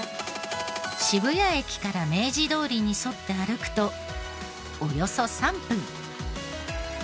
渋谷駅から明治通りに沿って歩くとおよそ３分。